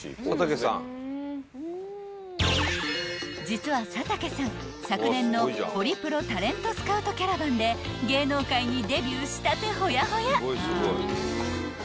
［実は佐竹さん昨年のホリプロタレントスカウトキャラバンで芸能界にデビューしたてホヤホヤ］